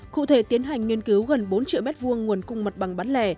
cụ thể tiến hành nghiên cứu gần bốn triệu m hai nguồn cung mặt bằng bán lẻ